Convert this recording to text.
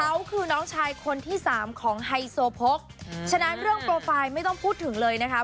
เขาคือน้องชายคนที่สามของไฮโซโพกฉะนั้นเรื่องโปรไฟล์ไม่ต้องพูดถึงเลยนะคะ